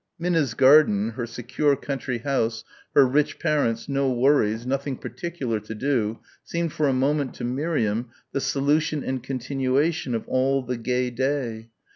Minna's garden, her secure country house, her rich parents, no worries, nothing particular to do, seemed for a moment to Miriam the solution and continuation of all the gay day.